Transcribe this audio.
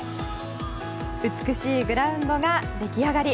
美しいグラウンドが出来上がり。